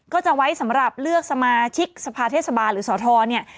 ก็จะไว้สำหรับเลือกสมาชิกสภาเทศบาลหรือสอทรเนี่ย